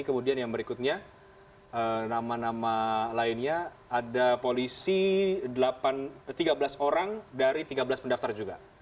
kemudian yang berikutnya nama nama lainnya ada polisi tiga belas orang dari tiga belas pendaftar juga